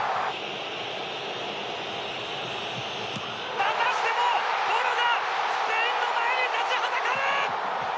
またしてもボノがスペインの前に立ちはだかる！